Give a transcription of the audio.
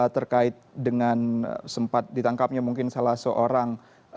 terkait dengan sempat ditangkapnya mungkin salah seorang